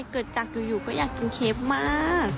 เกิดจากอยู่ก็อยากกินเคฟมาก